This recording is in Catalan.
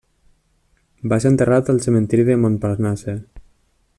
Va ser enterrat al cementeri de Montparnasse.